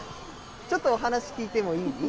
ちょっとお話聞いてもいい？